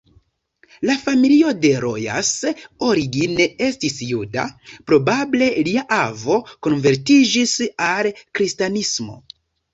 La familio de Rojas origine estis juda, probable lia avo konvertiĝis al kristanismo.